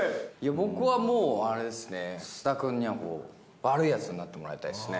僕はもう、あれですね、菅田君には、悪いやつになってもらいたいですね。